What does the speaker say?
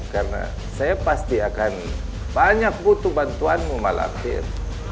karena saya pasti akan banyak butuh bantuanmu malam akhir